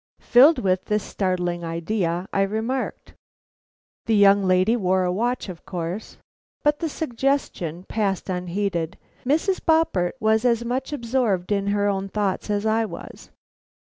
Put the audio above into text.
Filled with this startling idea, I remarked: "The young lady wore a watch, of course?" But the suggestion passed unheeded. Mrs. Boppert was as much absorbed in her own thoughts as I was.